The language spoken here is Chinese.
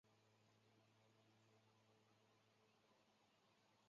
谁都不能逼他